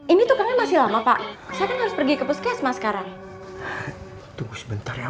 ini tuh masih lama pak saya harus pergi ke puskesma sekarang tunggu sebentar ya